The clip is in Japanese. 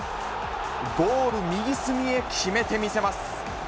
ゴール右隅へ決めてみせます。